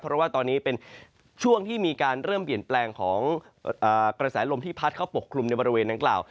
เพราะว่าตอนนี้เป็นช่วงที่มีการเริ่มเปลี่ยนแปลงของกระแสลมที่พัดเข้าปกคลุมในบริเวณดังกล่าว